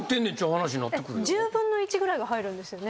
１０分の１ぐらいが入るんですよね？